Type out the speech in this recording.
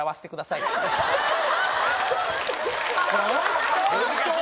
ホント？